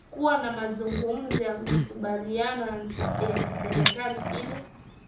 kuwa na mazungumzo ya makubaliano ya kiserikali ili